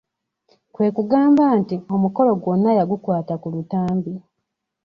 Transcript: Kwekugamba nti omukolo gwonna yagukwata ku lutambi.